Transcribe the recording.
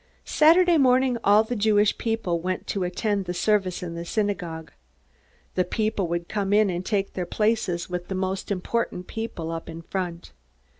Saturday morning all the Jewish people went to attend the service in the synagogue. The people would come in and take their places, with the most important people up in front.